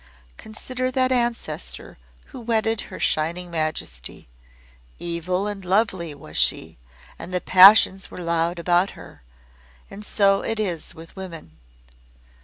Consider that Ancestor who wedded Her Shining Majesty! Evil and lovely was she, and the passions were loud about her. And so it is with women.